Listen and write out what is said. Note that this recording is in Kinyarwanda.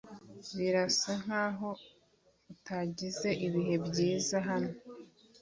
Birasa nkaho utagize ibihe byiza hano.